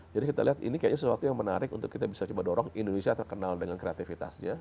jadi kita lihat ini kayaknya sesuatu yang menarik untuk kita bisa coba dorong indonesia terkenal dengan kreatifitasnya